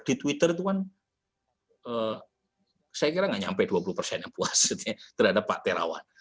di twitter itu kan saya kira nggak nyampe dua puluh persen yang puas terhadap pak terawan